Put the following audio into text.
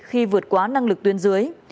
khi vượt quá năng lực tuyến dưới